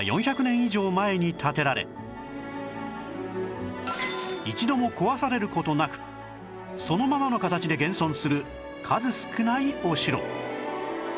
前に建てられ一度も壊される事なくそのままの形で現存する数少ないお城